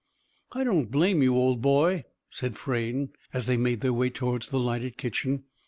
"I don't blame you, old boy," said Frayne, as they made their way towards the lighted kitchen.